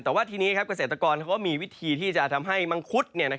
แต่ว่าทีนี้เกษตรกรเขาก็มีวิธีที่จะทำให้มังคุด